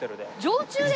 常駐で？